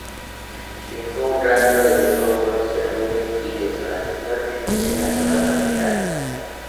Dejó un rastro de escombros, derrumbes y desolación en las zonas afectadas.